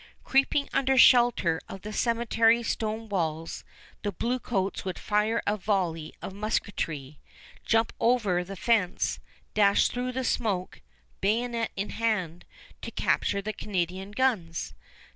Creeping under shelter of the cemetery stone walls, the bluecoats would fire a volley of musketry, jump over the fence, dash through the smoke, bayonet in hand, to capture the Canadian guns.